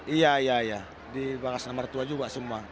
iya iya iya di bagas namertua juga semua